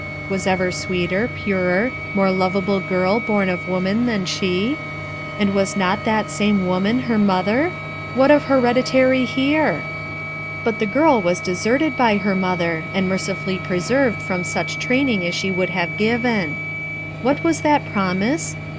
Was ever sweeter, purer, more lovable girl born of woman than she? And was not that eamo woman her mother? What of heredity here? But the girl was deserted bv her mother, hh\ mercifully preserved from such training as *he would have given, What was that promise?